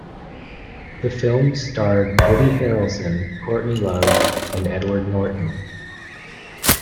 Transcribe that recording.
The film starred Woody Harrelson, Courtney Love and Edward Norton.